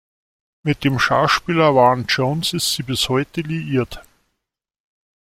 Mit dem Schauspieler Warren Jones ist sie bis heute liiert.